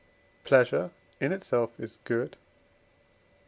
pleasure in itself is good, &c.